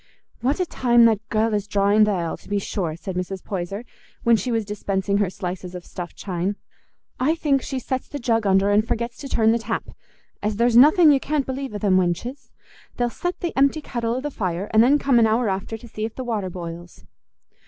"What a time that gell is drawing th' ale, to be sure!" said Mrs. Poyser, when she was dispensing her slices of stuffed chine. "I think she sets the jug under and forgets to turn the tap, as there's nothing you can't believe o' them wenches: they'll set the empty kettle o' the fire, and then come an hour after to see if the water boils."